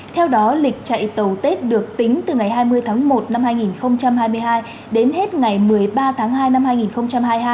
theo đó lịch chạy tàu tết được tính từ ngày hai mươi tháng một năm hai nghìn hai mươi hai đến hết ngày một mươi ba tháng hai năm hai nghìn hai mươi hai